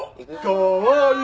かわいい。